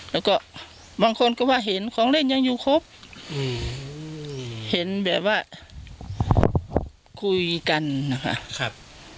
แล้วก็บางคนก็ว่าเห็นของเล่นยังอยู่ครบเห็นแบบว่าคุยกันนะคะ